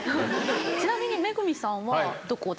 ちなみに恵さんはどこですか？